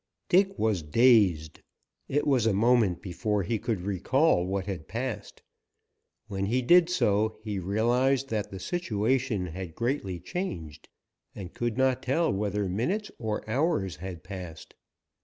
Dick was dazed. It was a moment before he could recall what had passed. When he did so, he realized that the situation had greatly changed, and could not tell whether minutes or hours had passed.